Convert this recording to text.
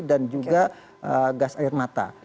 dan juga gas air mata